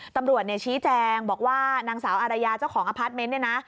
ตำรวจชี้แจงบอกว่านางสาวอารยาเจ้าของอพาร์ทเมนต์เนี่ยนะ